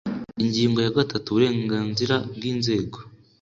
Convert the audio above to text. ingingo ya gatatu uburenganzira bw inzego